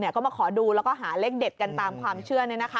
เขาก็มาขอดูแล้วก็หาเลขเด็ดกันตามความเชื่อเลยนะค่ะ